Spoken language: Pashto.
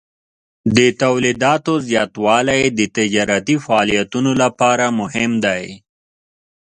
د تولیداتو زیاتوالی د تجارتي فعالیتونو لپاره مهم دی.